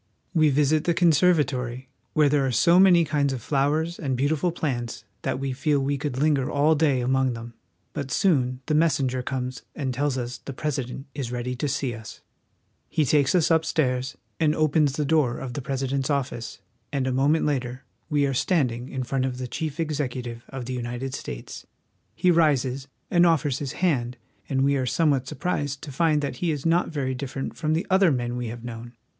We visit the conservatory, where there are so many kinds of flowers and beautiful plants that we feel we could linger all day among them ; but soon the messenger comes and tells us the President is ready to see us. The President's Office. He takes us upstairs, and opens the door of the Presi dent's office, and a moment later we are standing in front of the Chief Executive of the United States. He rises and offers his hand, and we are somewhat surprised to find that he is not very different from the other men we have known.